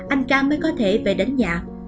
anh ca mới có thể về đến nhà